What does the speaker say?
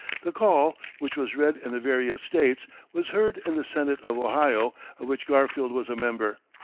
The call, which was read in the various States, was heard in the Senate of Ohio, of which Garfield was a member.